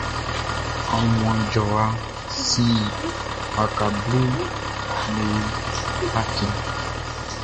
Aunmuan jɔwa sin waka bleʼm be afiɛn.